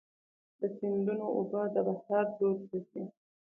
د سیندونو اوبه د بحر لور ته ځي.